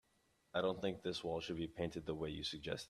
I don't think this wall should be painted the way you suggested.